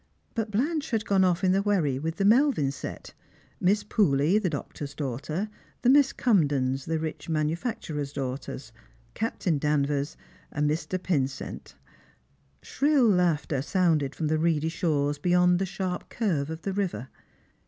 But Blanche had guue off in the wheiTy with the Melvin set— Miss Pooley, the doctor's daughter; the Miss Cumdens, the nch manufactnrer'a daughters; Captain Danvers, and Mr. Pynscnt. Slirill laughter sounded from the reedy shores beyond the sharp curve of the river.